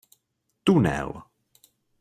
Tunel!